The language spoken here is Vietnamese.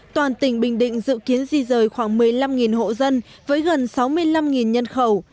toàn tỉnh bình định dự kiến di rời khoảng một mươi năm hộ dân với gần sáu mươi năm nhân khẩu